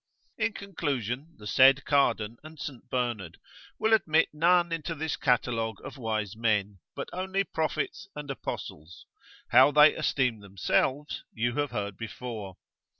In conclusion, the said Cardan and Saint Bernard will admit none into this catalogue of wise men, but only prophets and apostles; how they esteem themselves, you have heard before.